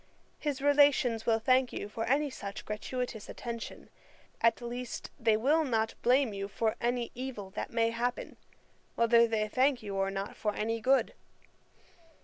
His relations will thank you for any such gratuitous attention: at least they will not blame you for any evil that may happen, whether they thank you or not for any good.